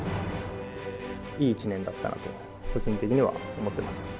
いい１年だったなと、個人的には思ってます。